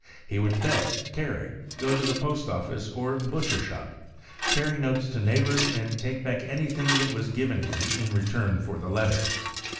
He would fetch, carry, go to the post office or butcher shop, carry notes to neighbors and take back anything that was given him in return for the letter.